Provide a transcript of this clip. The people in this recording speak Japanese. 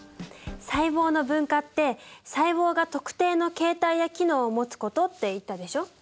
細胞の分化って細胞が特定の形態や機能を持つことって言ったでしょ？